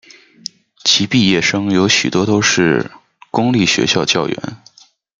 其毕业生有许多都是公立学校教员。